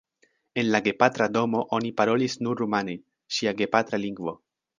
En la gepatra domo oni parolis nur rumane, ŝia gepatra lingvo.